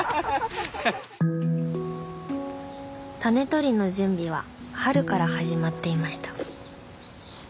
タネとりの準備は春から始まっていました。